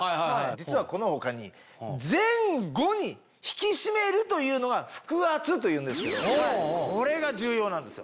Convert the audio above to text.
実はこの他に前後に引き締めるというのが腹圧というんですけどこれが重要なんですよ。